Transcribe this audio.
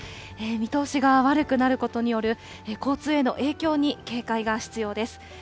見通しが悪くなることによる交通への影響に警戒が必要です。